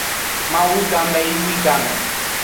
Mawu game yi nyi game.